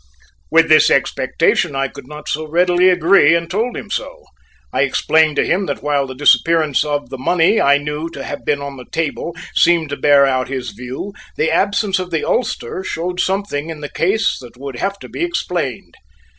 With this expectation I could not so readily agree, and told him so. I explained to him that while the disappearance of the money I knew to have been on the table seemed to bear out his view, the absence of the ulster showed something in the case that would have to be explained.